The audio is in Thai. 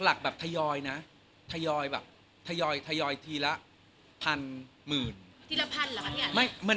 ๖หลักแบบทยอยนะทยอยแบบทยอยทีละพันหมื่น